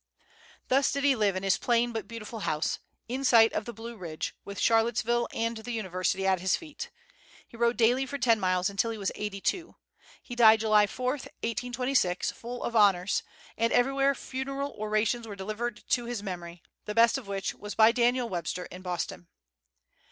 Thus did he live in his plain but beautiful house, in sight of the Blue Ridge, with Charlottesville and the university at his feet. He rode daily for ten miles until he was eighty two. He died July 4, 1826, full of honors, and everywhere funeral orations were delivered to his memory, the best of which was by Daniel Webster in Boston.